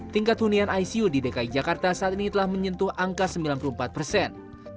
tingkat hunian icu di dki jakarta saat ini telah menyentuh angka sembilan puluh empat persen